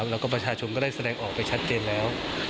แล้วก็ประชาชนก็ได้แสดงออกไปชัดเจนแล้ว